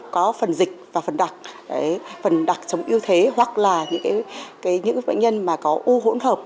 có phần dịch và phần đặc phần đặc chống ưu thế hoặc là những bệnh nhân mà có u hỗn hợp